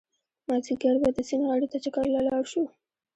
مازيګر به د سيند غاړې ته چکر له لاړ شو